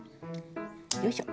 よいしょ。